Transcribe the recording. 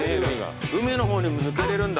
海の方にも抜けれるんだ。